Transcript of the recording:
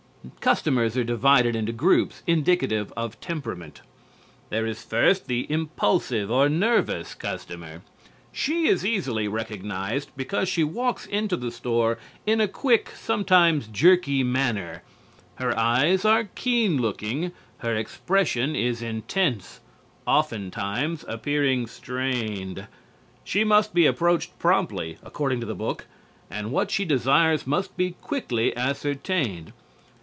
Customers are divided into groups indicative of temperament. There is first the Impulsive or Nervous Customer. She is easily recognized because she walks into the store in "a quick, sometimes jerky manner. Her eyes are keen looking; her expression is intense, oftentimes appearing strained." She must be approached promptly, according to the book, and what she desires must be quickly ascertained.